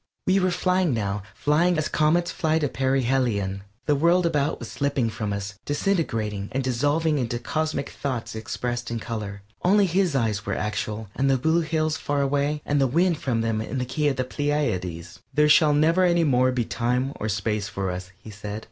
We were flying now, flying as comets fly to perihelion. The world about was slipping from us, disintegrating and dissolving into cosmic thoughts expressed in color. Only his eyes were actual, and the blue hills far away, and the wind from them in the key of the Pleiades. "There shall never any more be time or space for us," he said.